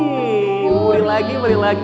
wuri lagi balik lagi